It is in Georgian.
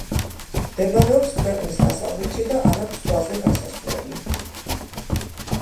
მდებარეობს ქვეყნის დასავლეთში და არ აქვს ზღვაზე გასასვლელი.